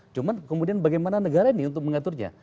cuma kemudian bagaimana negara ini untuk mengaturnya